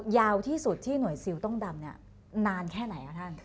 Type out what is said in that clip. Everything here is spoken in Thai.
ยาวที่สุดที่หน่วยซิลต้องดำเนี่ยนานแค่ไหนคะท่าน